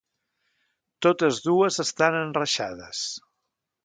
Totes dues estan enreixades.